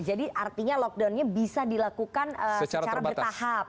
jadi artinya lockdownnya bisa dilakukan secara bertahap